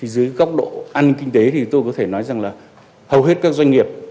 dưới góc độ an ninh kinh tế thì tôi có thể nói rằng là hầu hết các doanh nghiệp